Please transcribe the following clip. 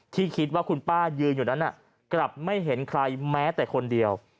ที่คิดว่าคุณป้ายืนอยู่นั้นกลับไม่เห็นใครแม้แต่คนเดียว